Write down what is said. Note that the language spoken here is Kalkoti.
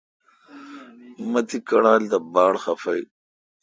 مہ تی کیڈال دے باڑ خفہ بیل۔